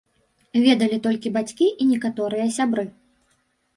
Ведалі толькі бацькі і некаторыя сябры.